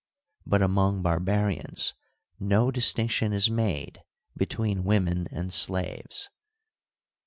But among barbarians no distinction is made between women and slaves.